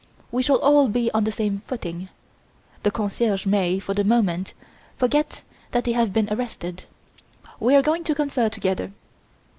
We shall all be on the same footing. The concierges may, for the moment, forget that they have been arrested. We are going to confer together.